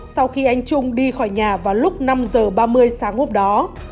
sau khi anh trung đi khỏi nhà vào lúc năm h ba mươi sáng hôm đó